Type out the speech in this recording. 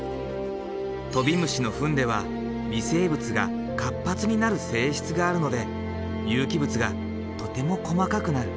トビムシの糞では微生物が活発になる性質があるので有機物がとても細かくなる。